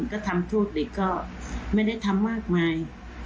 ก็ทำโทษเด็กก็ไม่ได้ทำมากมาย